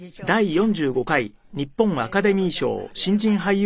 はい。